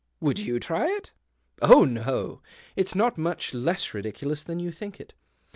''AVouldyou try it ?"" Oh no ! It's not much less ridiculous than you think it.